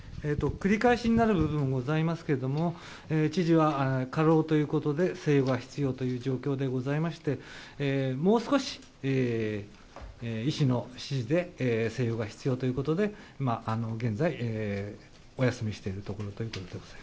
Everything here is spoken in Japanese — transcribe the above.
繰り返しになる部分もございますけれども、知事は過労ということで、静養が必要という状況でございまして、もう少し医師の指示で静養が必要ということで、現在、お休みしているところということで。